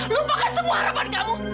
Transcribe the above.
lupakan semua harapan kamu